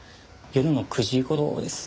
夜の９時頃です。